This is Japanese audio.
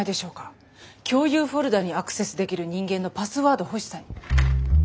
共有フォルダーにアクセスできる人間のパスワード欲しさに。